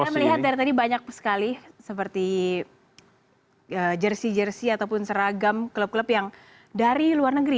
saya melihat dari tadi banyak sekali seperti jersi jersi ataupun seragam klub klub yang dari luar negeri